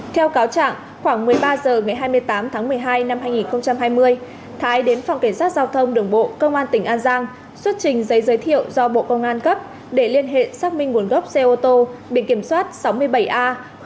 theo cáo trạng khoảng một mươi ba h ngày hai mươi tám tháng một mươi hai năm hai nghìn hai mươi thái đến phòng cảnh sát giao thông đường bộ công an tỉnh an giang xuất trình giấy giới thiệu do bộ công an cấp để liên hệ xác minh nguồn gốc xe ô tô biển kiểm soát sáu mươi bảy a một nghìn tám trăm ba